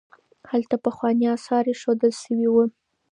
هلته پخواني اثار ایښودل شوي وو.